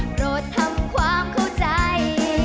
โปรดทำความเข้าใจ